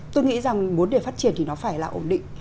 tôi nghĩ rằng muốn để phát triển thì nó phải là ổn định